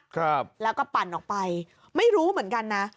ครับแล้วก็ปั่นออกไปไม่รู้เหมือนกันนะ